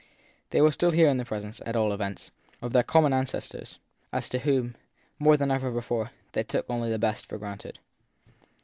They were still here in the pres ence, at all events, of their common ancestors, as to whom, more than ever before, they took only the best for granted.